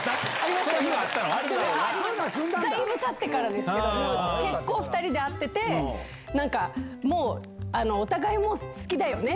だいぶたってからですけど、結構２人で会ってて、なんかもう、お互いもう、好きだよね？